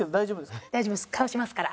かわしますから。